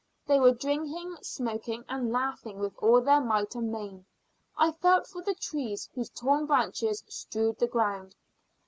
They were drinking, smoking, and laughing with all their might and main. I felt for the trees whose torn branches strewed the ground.